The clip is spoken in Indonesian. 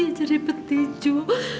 dia jadi petinju